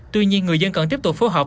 tuy nhiên người dân cần tiếp tục phối hợp